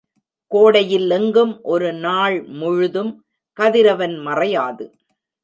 கோடையில் எங்கும் ஒரு நாள் முழுதும் கதிரவன் மறையாது.